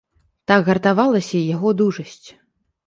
Так гартавалася і яго дужасць.